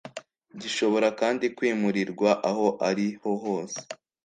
Gishobora kandi kwimurirwa aho ari ho hose